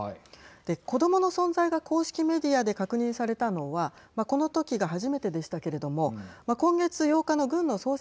子どもの存在が公式メディアで確認されたのはこの時が初めてでしたけれども今月８日の軍の創設